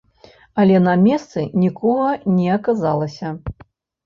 Але на месцы нікога не аказалася.